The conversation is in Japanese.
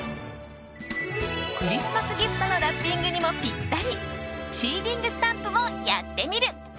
クリスマスギフトのラッピングにもぴったりシーリングスタンプをやってみる。